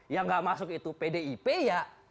yang gak masuk itu pdip ya